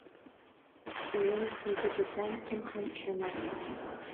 Uyim kuydi desam kim ham ishonar